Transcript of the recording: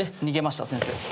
逃げました先生。